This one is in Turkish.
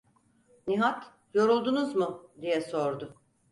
Nihat "Yoruldunuz mu?" diye sordu.